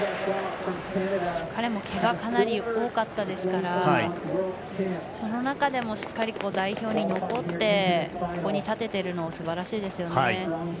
彼もけががかなり多かったですからその中でもしっかり代表に残ってここに立てているのがすばらしいですよね。